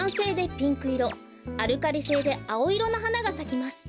アルカリ性であおいろのはながさきます。